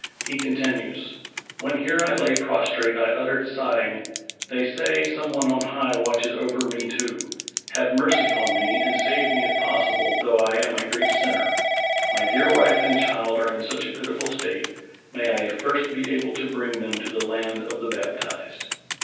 He continues: "When here I lay prostrate I uttered sighing, They say some one on high watches over me too. Have mercy on mcy end save me if possible, though I am a great sinner. My dear wije and child are in such a pitiful state — may I first be able to bring them to the land of the baptized.